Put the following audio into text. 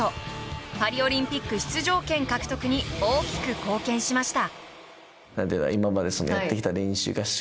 パリオリンピック出場権獲得に大きく貢献しました。